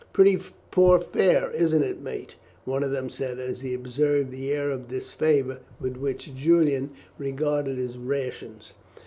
"Pretty poor fare, isn't it, mate?" one of them said as he observed the air of disfavour with which Julian regarded his rations.